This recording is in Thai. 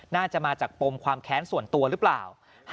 น่าจะมาจากปมความแค้นส่วนตัวหรือเปล่า